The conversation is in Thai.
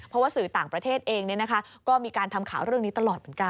เพราะว่าสื่อต่างประเทศเองก็มีการทำข่าวเรื่องนี้ตลอดเหมือนกัน